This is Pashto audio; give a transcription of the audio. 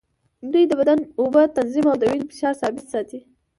دوی د بدن اوبه تنظیم او د وینې فشار ثابت ساتي.